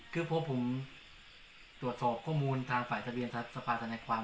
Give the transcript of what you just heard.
คือพอผมตรวจสอบข้อมูลทางฝ่ายทะเบียนสภาธนาความ